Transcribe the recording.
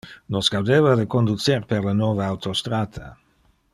Nos gaudeva de conducer per le nove autostrata.